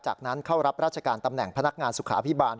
จากนั้นเข้ารับราชการตำแหน่งพนักงานสุขาพิบาล